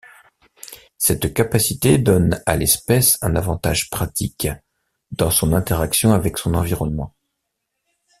Cette capacité donne à l'espèce un avantage pratique dans son interaction avec son environnement.